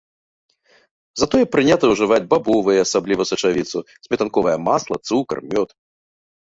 Затое прынята ўжываць бабовыя, асабліва сачавіцу, сметанковае масла, цукар, мёд.